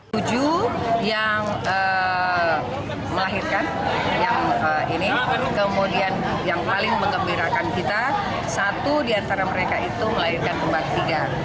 tujuh yang melahirkan yang ini kemudian yang paling mengembirakan kita satu di antara mereka itu melahirkan kembang tiga